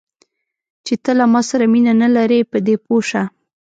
چې ته له ما سره مینه نه لرې، په دې پوه شه.